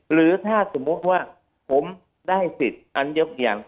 หรือถ้าสมมุติว่าผมได้สิทธิ์อันยกอย่าง